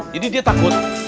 jadi dia takut